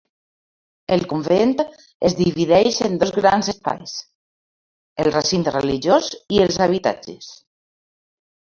El convent es divideix en dos grans espais: el recinte religiós i els habitatges.